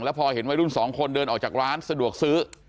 พอเห็นวัยรุ่นสองคนเดินออกจากร้านสะดวกซื้อ